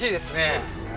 そうですね